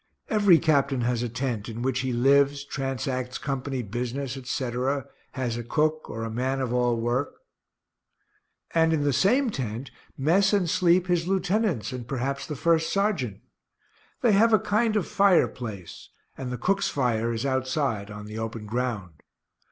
Every captain has a tent, in which he lives, transacts company business, etc., has a cook, (or a man of all work,) and in the same tent mess and sleep his lieutenants, and perhaps the first sergeant. They have a kind of fire place and the cook's fire is outside on the open ground.